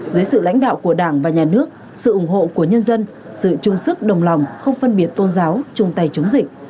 dưới sự lãnh đạo của đảng và nhà nước sự ủng hộ của nhân dân sự chung sức đồng lòng không phân biệt tôn giáo chung tay chống dịch